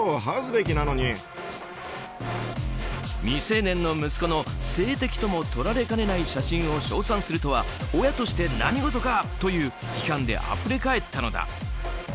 未成年の息子の性的ともとられかねない写真を称賛するとは親として何事かという批判であふれかえったのだ。